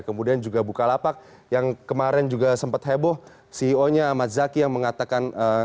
kemudian juga bukalapak yang kemarin juga sempat heboh ceo nya ahmad zaki yang mengatakan